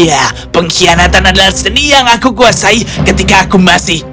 ya pengkhianatan adalah seni yang aku kuasai ketika aku masih